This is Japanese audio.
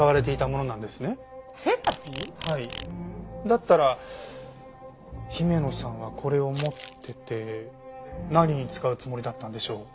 だったら姫野さんはこれを持ってて何に使うつもりだったんでしょう？